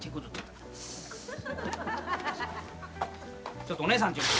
ちょっとお姉さんって。